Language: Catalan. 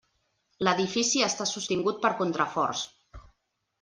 L'edifici està sostingut per contraforts.